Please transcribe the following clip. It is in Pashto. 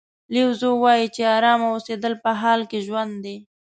لیو زو وایي چې ارامه اوسېدل په حال کې ژوند دی.